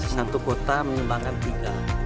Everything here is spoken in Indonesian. satu kota menyumbangkan tiga